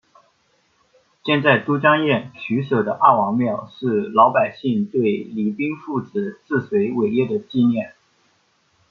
建在都江堰渠首的二王庙是老百姓对李冰父子治水伟业的纪念。